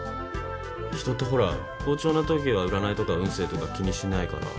人ってほら好調なときは占いとか運勢とか気にしないから。